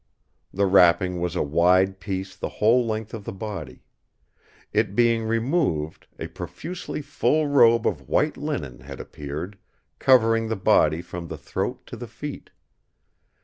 The wrapping was a wide piece the whole length of the body. It being removed, a profusely full robe of white linen had appeared, covering the body from the throat to the feet.